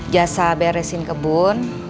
jasa beresin kebun